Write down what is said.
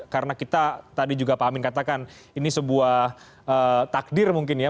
karena kita tadi juga pak amin katakan ini sebuah takdir mungkin ya